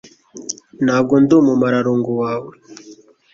Ntabwo ndi umugaragu wawe